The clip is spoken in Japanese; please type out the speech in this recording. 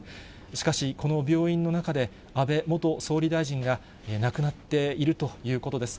しかし、この病院の中で、安倍元総理大臣が亡くなっているということです。